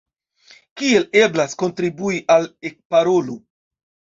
Kiel eblas kontribui al Ekparolu?